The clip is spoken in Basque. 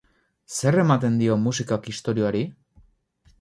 Zer ematen dio musikak istorioari?